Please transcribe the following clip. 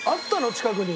近くに。